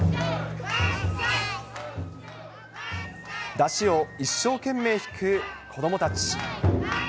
山車を一生懸命引く子どもたち。